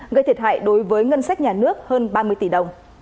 gây thiệt hại đối với ngân sách nhà nước hơn ba mươi tỷ đồng